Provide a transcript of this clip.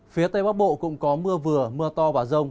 phía tây bắc bộ cũng có mưa vừa mưa to và rông